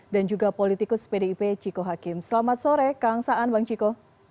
dan juga politikus pdip ciko hakim selamat sore kang saan bang ciko